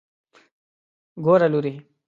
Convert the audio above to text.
ګوره لورې.